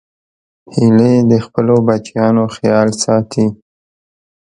هیلۍ د خپلو بچیانو خیال ساتي